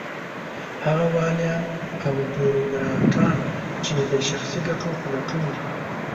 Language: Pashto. هغه واليان او بېروکراټان چې د شخصي ګټو په لټون دي.